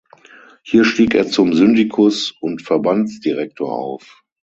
Hier stieg er zum Syndikus und Verbandsdirektor auf.